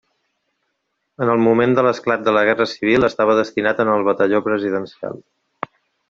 En el moment de l'esclat de la Guerra civil estava destinat en el Batalló presidencial.